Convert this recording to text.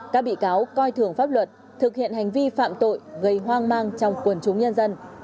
các bị cáo coi thường pháp luật thực hiện hành vi phạm tội gây hoang mang trong quần chúng nhân dân